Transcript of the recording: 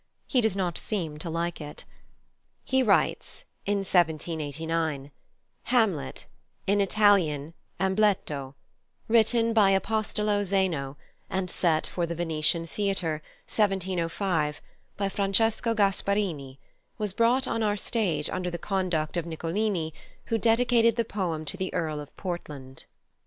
He does not seem to like it. He writes (in 1789): "Hamlet, in Italian, Ambleto; written by Apostolo Zeno, and set for the Venetian Theatre, 1705, by Francesco Gasparini, was brought on our stage under the conduct of Nicolini, who dedicated the poem to the Earl of Portland.